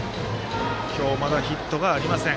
今日、まだヒットがありません。